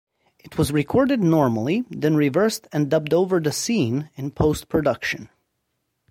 It was recorded normally, then reversed and dubbed over the scene in post-production.